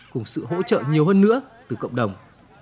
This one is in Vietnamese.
cùng sự hỗ trợ nhiều hơn nữa từ cộng đồng